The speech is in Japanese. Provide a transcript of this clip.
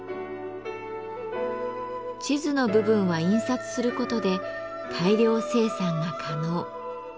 地図の部分は印刷することで大量生産が可能。